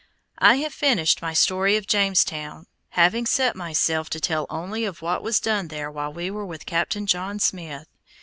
I have finished my story of Jamestown, having set myself to tell only of what was done there while we were with Captain John Smith.